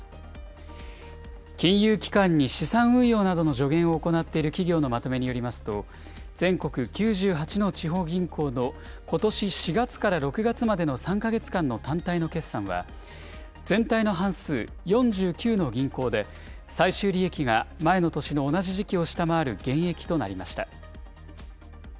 金融機関に資産運用などの助言を行っている企業のまとめによりますと、全国９８の地方銀行のことし４月から６月までの３か月間の単体の決算は、全体の半数４９の銀行で、最終利益が前の年の同じ時期を下回る減益となりました。